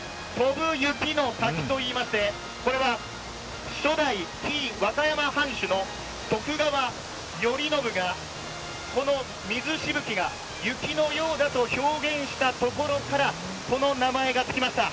飛ぶ雪の滝といいまして、これは初代紀伊和歌山藩主の徳川頼信がこの水しぶきが雪のようだと表現したところから、この名前がつきました。